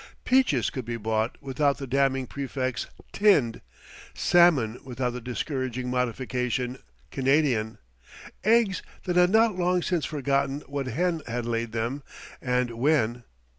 Peaches could be bought without the damning prefix "tinned"; salmon without the discouraging modification "Canadian"; eggs that had not long since forgotten what hen had laid them and when.